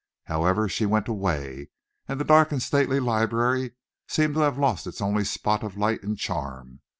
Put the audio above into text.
However, she went away, and the dark and stately library seemed to have lost its only spot of light and charm.